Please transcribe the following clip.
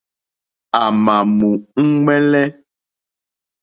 À mà mù úŋmɛ́lɛ́.